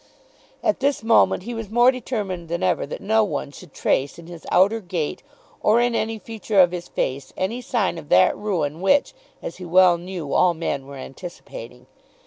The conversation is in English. At this moment he was more determined than ever that no one should trace in his outer gait or in any feature of his face any sign of that ruin which, as he well knew, all men were anticipating.